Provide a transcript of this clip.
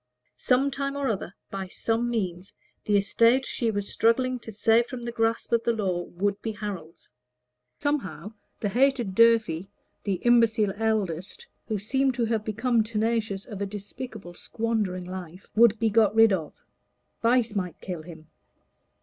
Some time or other, by some means, the estate she was struggling to save from the grasp of the law would be Harold's. Somehow the hated Durfey, the imbecile eldest, who seemed to have become tenacious of a despicable squandering life, would be got rid of; vice might kill him.